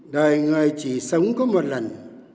đời người chỉ sống có một lần